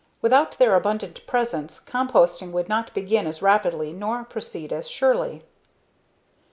Without their abundant presence composting would not begin as rapidly nor proceed as surely.